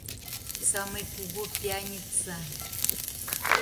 Самый кугу пьяница!